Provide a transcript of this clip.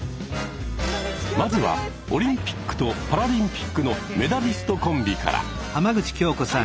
まずはオリンピックとパラリンピックのメダリストコンビから。